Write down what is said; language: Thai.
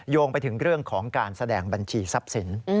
งไปถึงเรื่องของการแสดงบัญชีทรัพย์สิน